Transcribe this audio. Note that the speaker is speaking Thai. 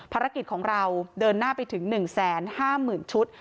ภารกิจของเราเดินหน้าไปถึง๑๕๐๐๐ชุด